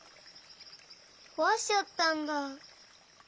こわしちゃったんだ。